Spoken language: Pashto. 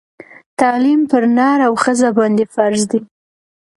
تعلیم پر نر او ښځه باندي فرض دی